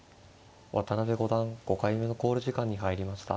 渡辺五段５回目の考慮時間に入りました。